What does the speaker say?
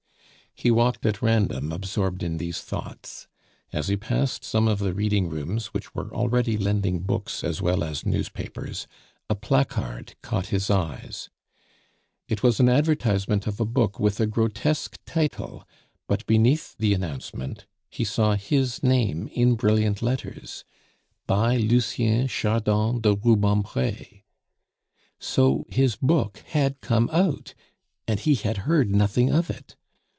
He walked at random, absorbed in these thoughts. As he passed some of the reading rooms which were already lending books as well as newspapers, a placard caught his eyes. It was an advertisement of a book with a grotesque title, but beneath the announcement he saw his name in brilliant letters "By Lucien Chardon de Rubempre." So his book had come out, and he had heard nothing of it!